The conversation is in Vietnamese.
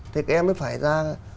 thì cái em mới phải ra